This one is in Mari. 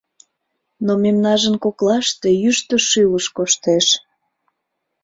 Но мемнажын коклаште Йӱштӧ шӱлыш коштеш.